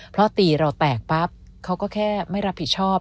เพราะตีเราแตกปั๊บเขาก็แค่ไม่รับผิดชอบ